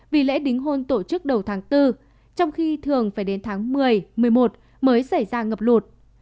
vì lễ đính hôn tổ chức đầu tháng bốn trong khi thường phải đến tháng một mươi một mươi một mới xảy ra ngập lụt